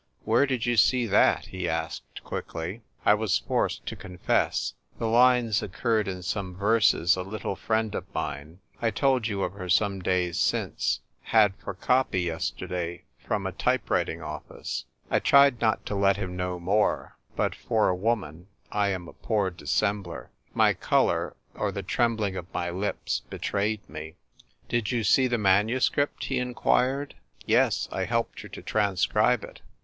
" Where did you see that ?" he asked quickly. I was forced to confess, "The lines oc curred in some verses a little friend of mine — I told you of her some days since — had for copy yesterday from a type writing office." I tried not to let him know more ; but, for a woman, I am a poor dissembler ; my colour or the trembling of my lips betrayed me. I TRY LITERATURE. 167 " Did you see the manuscript ?" he in quired. "Yes ; I helped her to transcribe it."